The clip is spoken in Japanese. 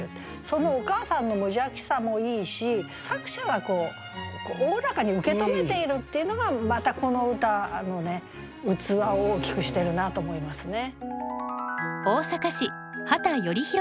そのお母さんの無邪気さもいいし作者がおおらかに受け止めているっていうのがまたこの歌の器を大きくしてるなと思いますね。